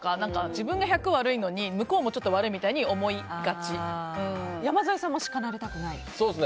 自分が１００悪いのに向こうもちょっと悪いって山添さんも叱られたくない？